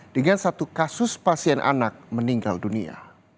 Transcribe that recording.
dengan satu kasus pasien anak meninggal dunia